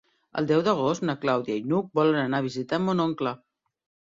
El deu d'agost na Clàudia i n'Hug volen anar a visitar mon oncle.